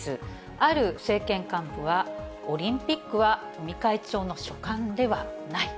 ある政権幹部は、オリンピックは尾身会長の所管ではない。